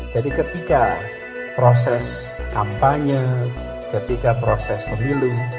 jadi ketika proses kampanye ketika proses pemilu